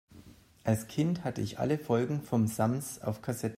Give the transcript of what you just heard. Als Kind hatte ich alle Folgen vom Sams auf Kassette.